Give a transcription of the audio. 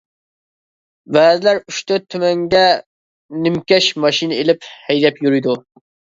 بەزىلەر ئۈچ تۆت تۈمەنگە نىمكەش ماشىنا ئېلىپ ھەيدەپ يۈرىدۇ.